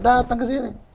datang ke sini